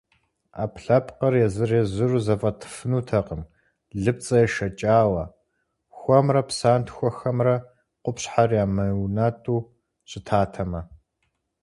Ӏэпкълъэпкъыр езыр-езыру зэфӏэтыфынутэкъым лыпцӏэ ешэкӏауэ, хуэмрэ псантхуэхэмрэ къупщхьэр ямыунэтӏу щытатэмэ.